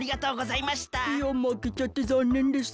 いやまけちゃってざんねんです。